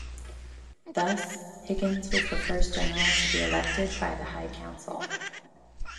Thus, Higgins was the first General to be elected by the High Council.